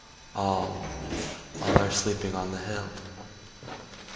— All, all are sleeping on the hill.